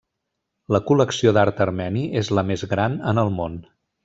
La col·lecció d'art armeni és la més gran en el món.